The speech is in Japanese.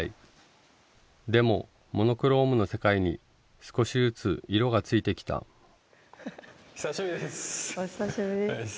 でもモノクロームの世界に少しずつ色がついてきた久しぶりです。